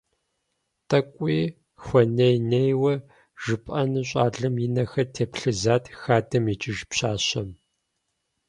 ТӀэкӀуи хуэней-нейуэ жыпӀэну щӏалэм и нэхэр теплъызат хадэм икӀыж пщащэм.